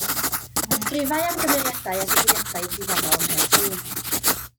Ysgrifau am gymeriadau a digwyddiadau diddorol ym Mhenllyn.